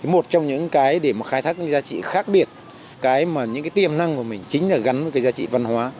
một trong những cái để khai thác giá trị khác biệt những tiềm năng của mình chính là gắn với giá trị văn hóa